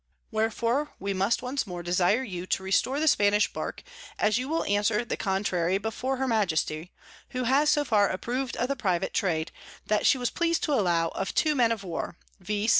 Wherefore we must once more desire you to restore the Spanish Bark, as you will answer the contrary before her Majesty, who has so far approv'd of the private Trade, that she was pleas'd to allow of two Men of War (viz.